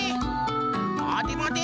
まてまて！